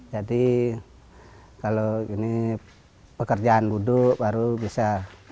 jadi kalau ini pekerjaan buduk baru bisa